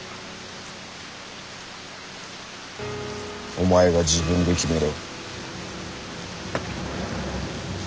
お前が自分で決めろ。